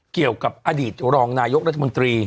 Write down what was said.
เกี่ยวกับอดีตรองนายกรัฐมนตรี